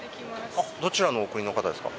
どちらのお国の方ですか？